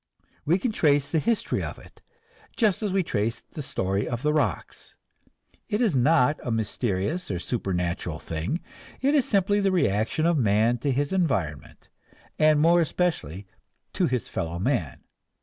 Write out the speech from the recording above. We can trace the history of it, just as we trace the story of the rocks. It is not a mysterious or supernatural thing, it is simply the reaction of man to his environment, and more especially to his fellow men.